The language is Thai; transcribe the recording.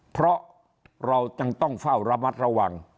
เพราะเราจึงต้องเฝ้าระมัดระวัง